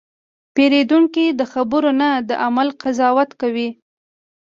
پیرودونکی د خبرو نه، د عمل قضاوت کوي.